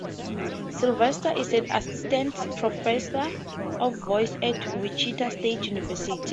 Sylvester is an assistant professor of voice at Wichita State University.